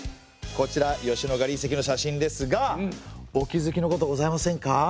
こちら吉野ヶ里遺跡の写真ですがお気付きのことございませんか？